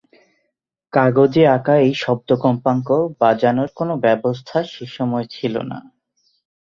কাগজে আঁকা এই শব্দ-কম্পাঙ্ক বাজানোর কোনো ব্যবস্থা সে সময়ে ছিল না।